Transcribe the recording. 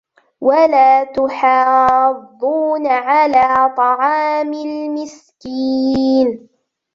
وَلَا تَحَاضُّونَ عَلَى طَعَامِ الْمِسْكِينِ